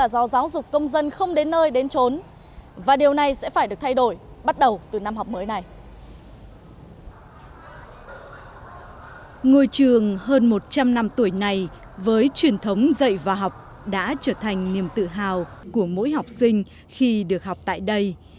ngôi trường hơn một trăm linh năm tuổi này với truyền thống dạy và học đã trở thành niềm tự hào của mỗi học sinh khi được học tại đây